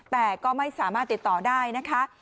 แต่ก็ไม่สามารถติดต่อได้นะคะ